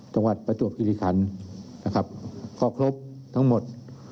ประจวบคิริคันนะครับก็ครบทั้งหมด